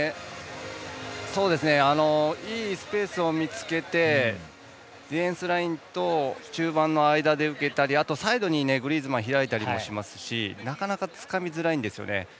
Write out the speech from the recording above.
いいスペースを見つけてディフェンスラインと中盤の間で受けたりあと、サイドにグリーズマン開いたりもしますしなかなかつかみづらいんですよね。